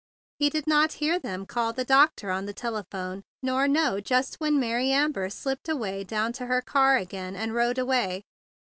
He did not hear them call the doctor on the telephone, nor know just when Mary Amber slipped away down to her car again and rode away.